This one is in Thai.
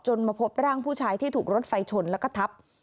มาพบร่างผู้ชายที่ถูกรถไฟชนแล้วก็ทับ